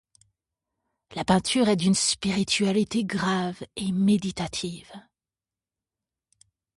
La peinture est d’une spiritualité grave et méditative.